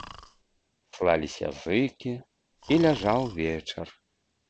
Слаліся зыкі, і ляжаў вечар.